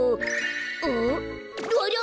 あありゃ！